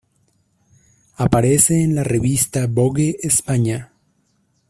Aparece en la revista Vogue España.